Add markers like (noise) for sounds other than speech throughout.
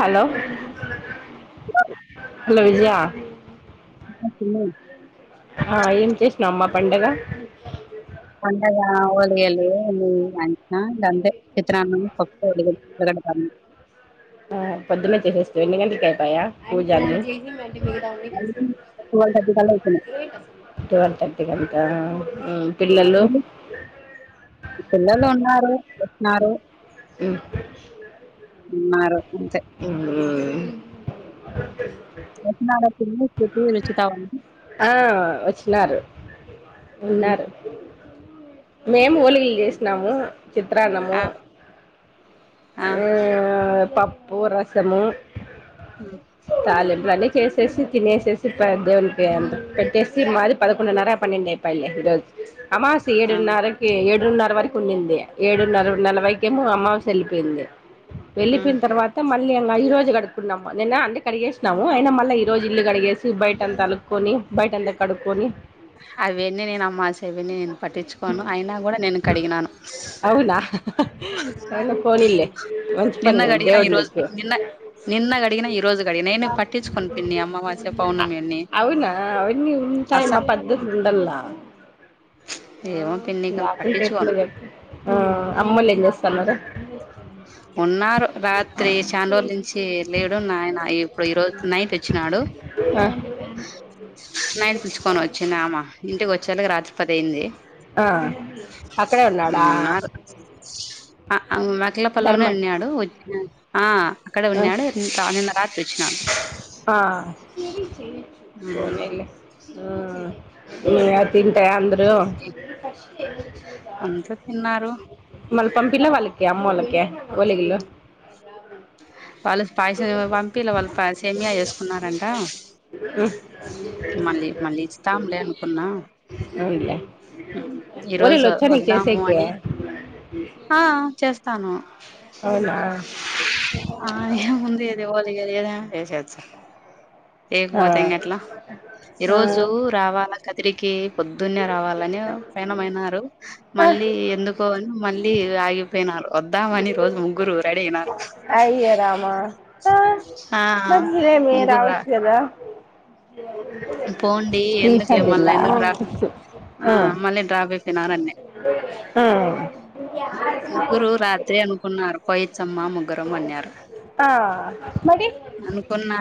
అలో hello Vijaya ఆ తిన్నా ఆ ఏం చేస్నవ్ అమ్మ పండగ పండగా ఓలిగలు (unintelligible) గంతే చిత్రాన్నం, పప్పు, ఓలిగలు (unintelligible) ఆ పొద్దున్నె చేసేస్థివా ఎన్ని గంట్లకి అయ్పాయ పూజ అన్ని ట్వెల్వ్ థర్టీ కల్లా టువల్ థర్టీ కంతా పిల్లలు ఈ పిల్లలు ఉన్నారు వచ్చినారు హ్మ్ ఉన్నారు అంతే (unintelligible) (unintelligible) వచ్చుతావని ఆ ఒచ్చినారు ఉన్నారు మేం ఓలిగలు జేస్నాము ఆ చిత్రాన్నము ఆ హ్మ్ పప్పు రసము ఉమ్ తాలింపులన్ని చేస్ సి తినేసేసి పెద్దోనికి పెట్టేసి మాది పదకొండున్నర పన్నెండ్ అయిపాయ్లే ఈరోజ్ అమాస్ ఆ ఏడున్నరకి ఏడున్నర వరకి ఉన్నింది ఏడున్నర నలవైకేమో అమాస్ ఎల్ పెంది ఉమ్ ఎళ్ళిపెయిన్ తర్వాత మళ్ళీ అంగా ఈరోజు కడుక్కున్నము నిన్న అన్ని కడిగేశ్నాము అయినా మళ్ళ ఈ రోజు ఇల్లు కడిగేసి బయటంత అలుక్కొని బయటంతా క డుక్కొని అవెన్ని నేను అమ్మాసేవన్నీ నేను పట్టిచ్చుకోను అయినా గూడా నేను కడిగినాను ఉనా పోనిల్లె మంచి పని నిన్న గా కడిగిన ఈ దేవుడు రోజు నీకి నిన్న నిన్న కడిగిన ఈ రోజు కడిగిన నేను పట్టించుకోను పిన్ని అమావాస్య పౌర్ణమి అన్ని అవునా అవన్నీ అస ఉంటాయమ్మ పద్దతులు ఉండల్లా ఆ ఏమో పిన్ని ఇక లాకుంటే పట్టించుకోను ఎట్ల జెప్పు ఆ అమ్మోల్ ఏం జేస్తన్నారు ఉన్నారు రాత్రి చాంరోల్ నుంచి లేడు నాయన ఇప్పుడు ఈ రోజ్ నైట్ ఒచ్చినాడు అ నయన్ పిలుచుకొని వచ్చినామ ఇంటికి వచ్చేల్కి రాత్రి పదైంది ఆ అక్కడే ఉన్నాడ అహ్ అ మకిలపల్లోనే ఉన్నాడు ఆహ్ అక్కడ ఉన్నాడు ఇ నిన్ రానిల ఆహ్ పోనీలే ఉహ్ తింటే అందరూ అంతా తిన్నారు మల్ల పంపిల్ల వాళ్ళకి ఆమ్మోళ్ళకి ఒలె గిళ్లు వాలస్ పైస అహ్ పంపిల్ లో వాళ్ళ పాయ్ సేమియా చేసుకున్నారంట మళ్ళీ మళ్ళీ ఇస్తాంలే అనుకున్నా అవునులే ఉమ్ ఈరోజు ఒలిగలు వచ్చా నీకు వద్దాము చేసేకి అని అ చేస్తాను అవునా ఆహ్ ఇదేముంది ఇది ఒల్ చెయ్యాలి గదా చేయకపోతె ఇంగేట్ల ఆ ఈ రోజు రావాలా కతిరికి పొద్దున్నే రావాలని పైనమైనారు ఆ మళ్ళీ ఎందుకో అని మళ్ళీ ఆగిపోయినారు వద్దామని రోజు ముగ్గురు రెడీ అయినారు అయ్యో రామా ఆ మర్ లేరు ముగ్గురు రా రావచ్చు కదా పోండి ఎందుకు లే మళ్ళా శ్రీశైలం ఎందుకు డ్రా ఆ మళ్ళీ డ్రాప్ అయిపోయినారన్నే ఆహ్ నర్ పోయిచ్చమ్మ ముగ్గురం అన్నారు ఆ మరి అనుకున్న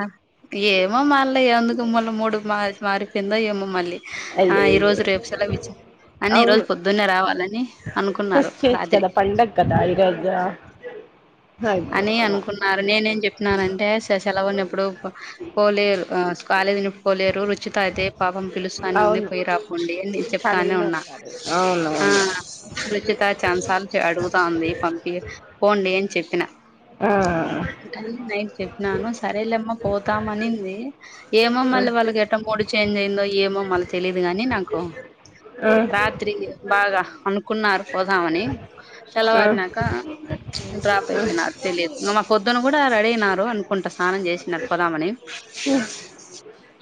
ఏమో మళ్ళీ ఎందుకు మళ్ళ మూడు మ మారిపోయిందొ ఏమో మళ్ళీ అయ్యాయో అన్ని ఈ రోజు పొద్దున్నే రావాలని అనుకున్నారు తెచ్చిచ్ రాత్రి కదా పండగ్ కదా ఈరోజో హా అని అనుకున్నారు నేనేం చెప్పినానంటే సె సెలవునప్పుడు పొ పోలేర్ అహ్ పొలేరు రుచిత అయితే పాపం పిలుస్తానే ఉంది అవును పొయి రాపోండి అని నే చెప్తానే ఖాళీగానే ఉన్నా ఉన్నారు అవునవును ఆహ్ రుచిత చన్సార్లు అడుగుతాంది పంపి పోండి అన్ ఆ అని నేను చెప్పినాను సరేలేమ్మ పోతామనీంది ఏమో మళ్ళ వాళ్ళకి ఎట్ట మూడు చేంజ్ అయిందో ఏమో మళ్ళ తెలీయదు గాని నాకు ఆ ఆ రాత్రీ బాగా అనుకున్నారు పోదామని ఆ తెలవారి నాక డ్రాప్ పయిపోయినర్ తెలియదు ఇంగ మా పొద్దున గూడా రెడీ అయినారు అనుకుంట స్నానం చేసినర్ పోదామని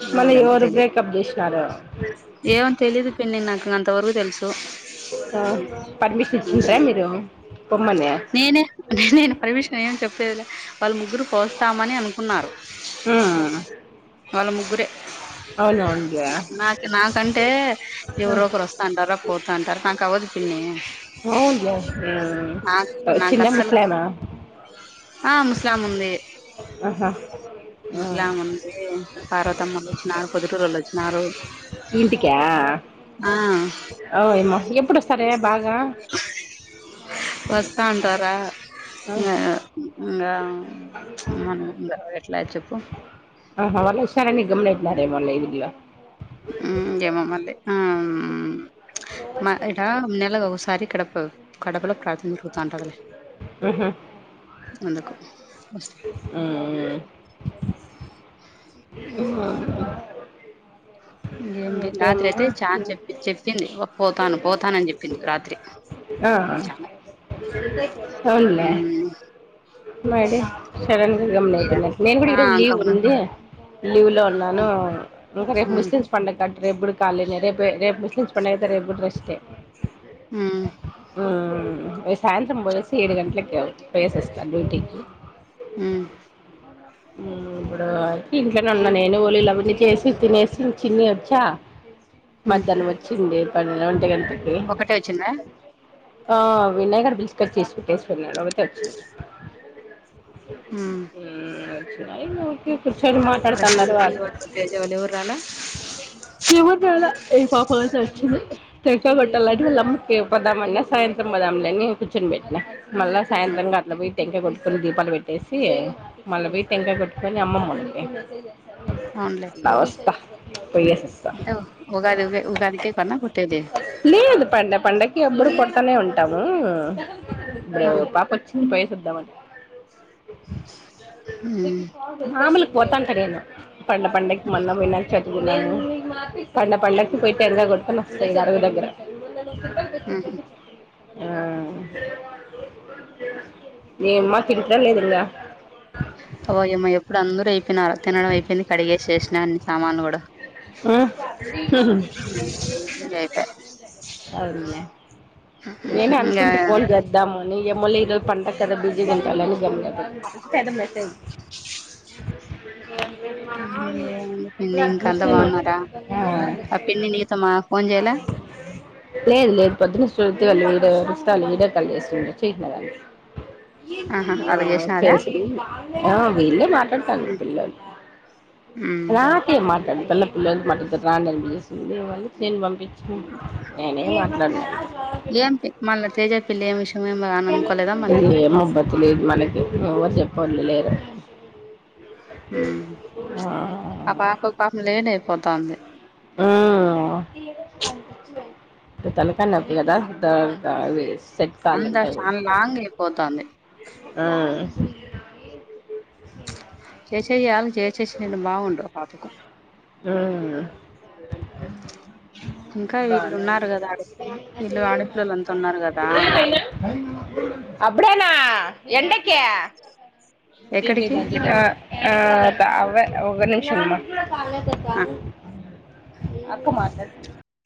ఏమో మళ్ళి ఎవరు తెలియదు బ్రేకప్ జేసినారు ఏమో తెలీయదు పిన్ని నాకు అంతవరకు తెలుసు ఇంకా పర్మిషన్ ఇచ్చింట్రా మీరు పొమ్మనే నేనే నేను పర్మిషన్ ఏం చెప్పేదిలే వాళ్ళ ముగ్గురు పోస్తా మని అని అనుకున్నారు వాళ్లు ముగ్గురే అవున నా నాకు నాకంటే ఎవరొ ఒకరు వస్తా అంటారా పోత అంటారు నాకు అవ్వదు పిన్ని అవున్లే ఉమ్ చిన్న ముస్ల ఆహ్ ముస్లాముంది ఆహా ముస్లాముంది పార్వతమ్మ లోచ్నారు ఇంటికా ఆ ఓయమ్మా ఎప్పుడొస్ రే బాగా వస్తాంటా రా యయా ఉమ్ ఇంగ్హ్ మనం ఉందా ఎట్లా చెప్పు ఆహ వాళ్లు ఒస్తారని (unintelligible) ఉమ్ గేమో మల్లీ అ మ్ మ ఇడా నెలకొకసారి కడపొ కడపలో కట్లు టాంతదిలే ఆహా అందుకు ఉమ్మ్మ్ ఇంగేంలే రాత్రి ఇంకేమ్మా అయితే చాన్ చెప్పి చెప్పింది పోతాను పోతానని చెప్పింది రాత్రి ఆహ్ చానా పోన్లే మ్మ్ మేడే సెలవలేం ఇగ నేను కుడా ఆ ఈరోజు లీవ్ గమ్మున ఉందే లీవ్ లో ఉన్నానూ ఇంక రేప్ మ్మ్ ముస్లిమ్స్ పండక్కి రేపుకూడా కాలినే రేప రేపు ముస్లిమ్స్ పండగైతే రేప్పుగూడ రెస్ట్ ఏ మ్మ్ రేపు సాయంత్రం బసు ఏడు గంటలక అవ్ పోయేసోస్త డ్యూటీకి ఉమ్ ఇప్పుడు అయితే ఇంట్లోనే ఉన్నా నేను లావంనీ చేసి తినేసి చిని వచ్చా మధ్యాహ్నం వచ్చింది ప వంటిగంట ఒకతే వచ్చిందా ఆ విన్నైగాడు తీసుకొచ్చేసి పెటేసిపోయినాడు ఒకతె వచ్చింది మ్మ్ ఉమ్ టైముకి కూర్చొని మాట్లాడుతున్నారు ప్రశాంత్ వాళ్ళు తేజ వాళ్ళు ఎవరు రాలా ఏమో చాలా ఈ పాప ఒకతె వచ్చింది టెంకై కొట్టాలని వల అమ్మ కి పోదామన్న సాయ సాయంత్రం పొదంలే అని కూర్చుపెట్టిన మళ్ళ సాయంత్రంగ అట్లా పోయి టెంకై కొ కొని దీపాలు పెట్టేసి మళ్ళ పోయి టెంకై కొట్టుకొని అమ్మమ్మవుంది అవునులే నవస్థ పోయేసోస్తా అంటే ఉగాది ఉ ఉగాదికే కన్నా పుట్టేది ఎప్పుడు కొడతానే ఉంటాము ఇప్పుడు పాపొచ్చింది పోయి మాముల్గా పొత్తంటడేమో పండ పండక్కి మొన్న విన పండ పండక్కి పోయి టెంకై కొట్టుకోవస్తాయిగ అరుగు దగ్గర హు హ్మ్మ్ ఆహ్ ఎమ్మా తింటరలేద్ ఇంగా వ్వోయమ్మ ఎప్పుడు అందరూ అయిపోయినారు తినడం అయిపోయింది కడిగేశెశినా అన్ని సామాన్లు గూడా ఇంగ అయిపాయ్ అవున్లే నేనే ఇంగా అనుకుంటే ఫోన్ చేద్దామని ఏమోలే ఇగమళ్ళీ పండా బిజ గుంటారని గమ్మునైపోయిన అవును ఏం ఉంది పిన్ని ఇంకంత అంత మెసేజ్ బాగున్నారా ఆ పిన్ని నీతోమా ఫోన్ చేయాల లేదు లేదు పొద్దున శృతి వాళ్ళు వీడియో ఎక్స్ట్రా కాల్ చేస్తుండు చేయట్లే ఆహా వాళ్ళకి ఆహ్ చేసినారా చేసి వీళ్ళే మాట్లాడుతారు పిల్లలు నాకేం మాట్లాడ్ మళ పిల్లలకి మటుతు రాం అనిపిసిందిళ నేను పంపించ నేనేం మాట్లాడును ఏం మళ్ళా తేజ పిల్లి ఏం విషయం ఏం అని అనుకోలేదా మళ్ళీ ఇగ ఏమో బతిలేదు మనకి నువ్ ఎవర్ చెప్ప పళ్లు లేరు ఉమ్ ఆ అ పాపకు పాపం లేట్ అయిపోతంది హా నువ్ తలుపన తీయదా అది సెట్ అందరు కాలంటేను చాలా లాంగ్ అయిపోతాంది అ చేసేయాలి చేచే బావుండవ్ పాపకం హా ఇంకా వీళ్ళు బానే ఉన్నారు ఉంది కదా ఆడ వీళ్ళు ఆడపిల్లలు అంతా ఉన్నారు కదా అప్పుడేనా ఎండకీ ఎక్కడికి హ ఆ అవ్ ఒక నిమీషమమ్మ ఆ అక్క మాట్లాడ